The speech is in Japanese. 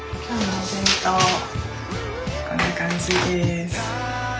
こんな感じです。